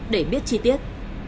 để biết chi tiết